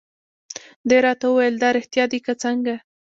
دې راته وویل: دا رېښتیا دي که څنګه؟